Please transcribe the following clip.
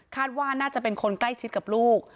ว่าน่าจะเป็นคนใกล้ชิดกับลูก